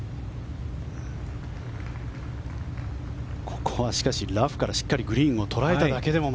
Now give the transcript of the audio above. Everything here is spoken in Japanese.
ここはラフからしっかりグリーンを捉えただけでも。